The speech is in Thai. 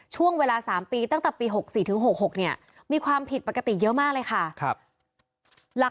ช่วงเวลา๓ปีตั้งแต่ปี๖๔ถึง๖๖เนี่ยมีความผิดปกติเยอะมากเลยค่ะ